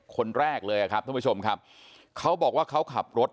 คนแรกเลยครับท่านผู้ชมครับเขาบอกว่าเขาขับรถ